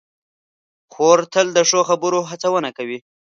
خور تل د ښو خبرو هڅونه کوي.